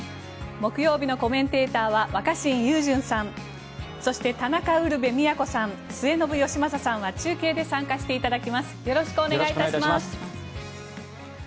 木曜日のコメンテーターは若新雄純さんそして、田中ウルヴェ京さん末延吉正さんは中継で参加していただきます。